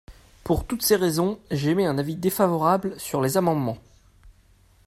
Pour toutes ces raisons, j’émets un avis défavorable sur les amendements.